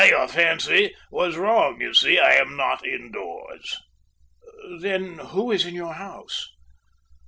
"Your fancy was wrong, you see. I am not indoors." "Then who is in your house?"